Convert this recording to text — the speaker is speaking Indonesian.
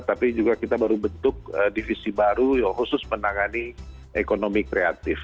tapi juga kita baru bentuk divisi baru khusus menangani ekonomi kreatif